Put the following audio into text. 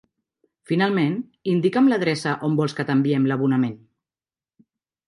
Finalment, indica'm l'adreça on vols que t'enviem l'abonament.